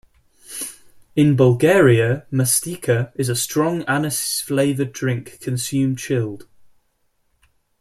In Bulgaria mastika is a strong anise-flavoured drink, consumed chilled.